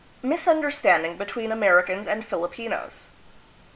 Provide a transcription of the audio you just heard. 295 Misunderstanding between Americans and Filipinos.